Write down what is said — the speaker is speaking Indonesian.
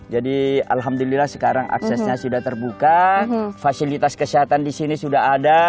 jadi alhamdulillah sekarang aksesnya sudah terbuka fasilitas kesehatan di sini sudah ada